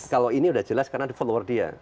kalau ini sudah jelas karena ada follower dia